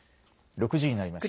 ６時になりました。